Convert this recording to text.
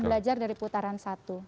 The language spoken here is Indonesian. belajar dari putaran satu